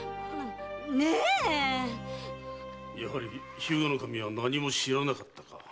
やはり日向守は何も知らなかったか。